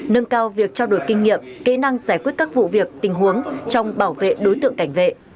nâng cao việc trao đổi kinh nghiệm kỹ năng giải quyết các vụ việc tình huống trong bảo vệ đối tượng cảnh vệ